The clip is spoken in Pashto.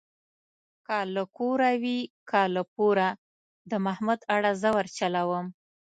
که له کوره وي که له پوره د احمد اړه زه ورچلوم.